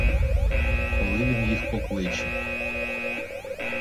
Коли він їх покличе.